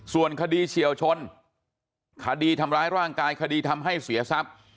ส่วนคดีเฉียวชนคดีทำร้ายร่างกายคดีทำให้เสียทรัพย์